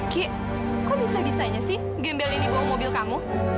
ki kok bisa bisanya sih gembel ini bawa mobil kamu